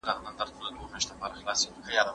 آيا ميرمن بيله اجازې نفلي روژه نيولای سي؟